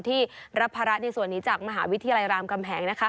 ที่รับภาระในส่วนนี้จากมหาวิทยาลัยรามกำแหงนะคะ